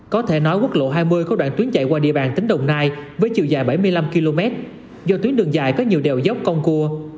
có thể nói quốc lộ hai mươi có đoạn tuyến chạy qua địa bàn tỉnh đồng nai với chiều dài bảy mươi năm km do tuyến đường dài có nhiều đèo dốc con cua